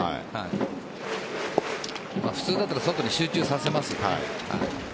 普通だったら外に集中させます。